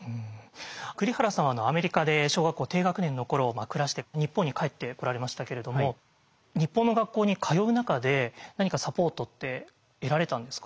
栗原さんはアメリカで小学校低学年の頃暮らして日本に帰ってこられましたけれども日本の学校に通う中で何かサポートって得られたんですか？